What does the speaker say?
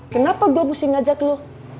kenapa gue mesti ngajak lo